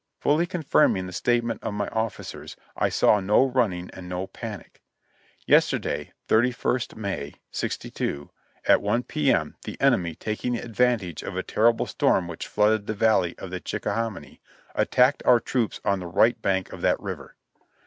"Fully confirming the statement of my officers, I saw no running and no panic." "Yesterday, 31 May, '62, at i P. M., the enemy, taking advan tage of a terrible storm which flooded the valley of the Chicka hominy, attacked our troops on the right bank of that river.